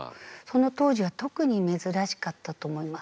その当時は特に珍しかったと思います。